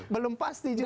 belum pasti juga ini